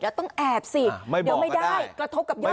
แล้วต้องแอบสิไม่บอกก็ได้ไม่ได้กระทบกับยอดท้าย